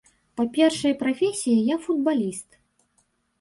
Па першай прафесіі я футбаліст.